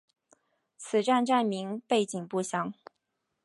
此站站名背景不详。